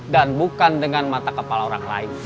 dan bukan dengan mata kepala orang lain